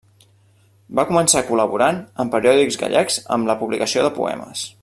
Va començar col·laborant en periòdics gallecs amb la publicació de poemes.